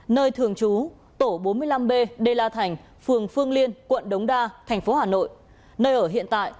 nơi thường trú tổ bốn mươi năm b đê la thành phường phương liên quận đống đa thành phố hà nội nơi ở hiện tại